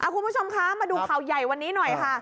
คุณผู้ชมคะมาดูข่าวใหญ่วันนี้หน่อยค่ะ